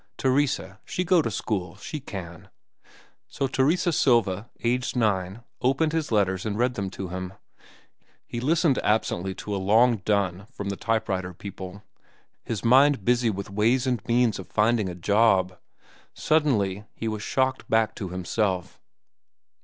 "Teresa, she go to school, she can." So Teresa Silva, aged nine, opened his letters and read them to him. He listened absently to a long dun from the type writer people, his mind busy with ways and means of finding a job. Suddenly he was shocked back to himself.